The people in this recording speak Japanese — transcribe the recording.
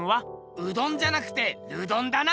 うどんじゃなくてルドンだな！